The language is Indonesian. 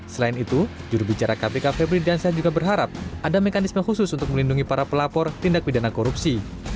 selain itu jurubicara kpk febri diansyah juga berharap ada mekanisme khusus untuk melindungi para pelapor tindak pidana korupsi